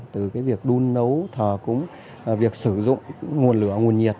từ cái việc đun nấu thờ cúng việc sử dụng nguồn lửa nguồn nhiệt